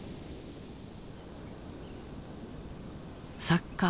作家